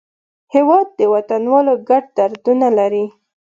هېواد د وطنوالو ګډ دردونه لري.